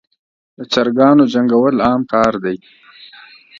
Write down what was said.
دچراګانو جنګول عام کار دی.